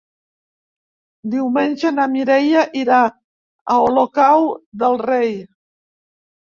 Diumenge na Mireia irà a Olocau del Rei.